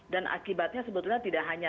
dan akibatnya sebetulnya tidak hanya